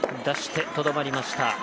出して、とどまりました。